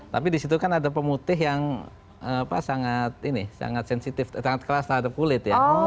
tapi di situ kan ada pemutih yang sangat sensitif sangat kelas terhadap kulit ya